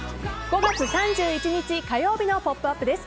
５月３１日、火曜日の「ポップＵＰ！」です。